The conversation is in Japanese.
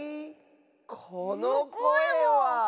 このこえは！